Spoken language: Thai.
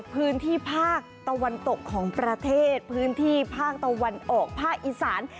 พื้นที่ภาคตะวันตกของประเทศพื้นที่ภาคตะวันออกภาคอีสาน